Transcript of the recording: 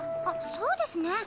あっそうですね。